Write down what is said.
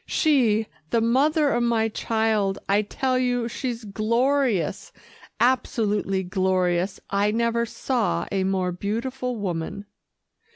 She, the mother of my child. I tell you, she's glorious absolutely glorious. I never saw a more beautiful woman."